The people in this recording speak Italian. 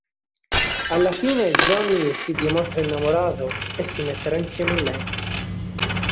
Alla fine Johnny si dimostra innamorato e si metterà insieme a lei.